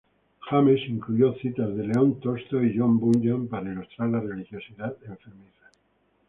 James incluyó citas de León Tolstoy y John Bunyan para ilustrar la religiosidad enfermiza.